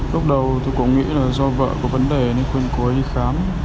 lúc đầu tôi cũng nghĩ là do vợ có vấn đề nên khuyên cô ấy đi khám